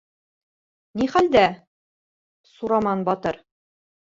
— Ни хәлдә, Сураман батыр?